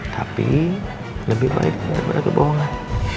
tapi lebih baik daripada kebohongan